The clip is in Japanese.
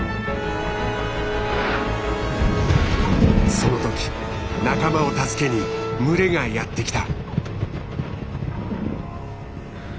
その時仲間を助けに群れがやって来た。